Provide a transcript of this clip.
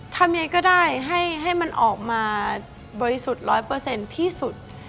ทำไงก็ได้ให้มันออกมาบริสุทธิ์ร้อยเปอร์เซ็นต์ที่สุด